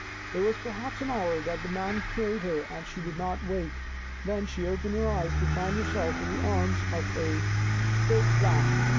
It was per haps an hour that the man carried her and she did not wake. Then she opened her eyes to find herself in the arms of a big Black.